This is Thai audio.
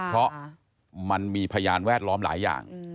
เพราะมันมีพยานแวดล้อมหลายอย่าง